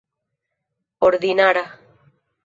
ordinara